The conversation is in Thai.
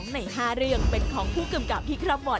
ใน๕เรื่องเป็นของผู้กำกับที่ครอบวอร์ด